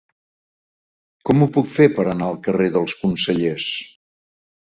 Com ho puc fer per anar al carrer dels Consellers?